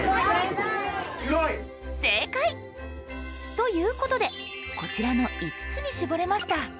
正解！ということでこちらの５つに絞れました。